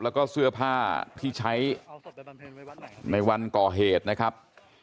แล้วก็เสื้อผ้าที่ใช้ในวันก่อเหตุนะครับ